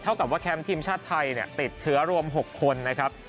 กับว่าแคมป์ทีมชาติไทยติดเชื้อรวม๖คนนะครับ